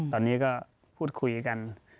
ตอนนี้ก็พูดคุยกัน